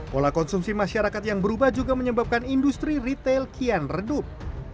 pola konsumsi masyarakat yang berubah juga menyebabkan industri retail kian redup